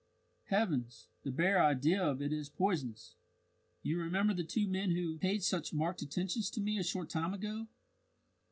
Heavens, the bare idea of it is poisonous! You remember the two men who paid such marked attentions to me a short time ago?"